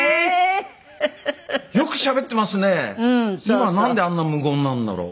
今なんであんな無言なんだろう？